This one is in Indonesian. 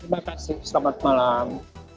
terima kasih selamat malam